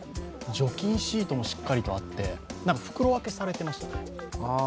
除菌シートもしっかりとあって袋分けされていましたね。